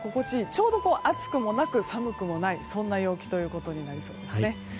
ちょうど暑くもなく寒くもないそんな陽気になりそうです。